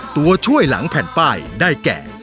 ตัวช่วยหลังแผ่นป้ายได้แก่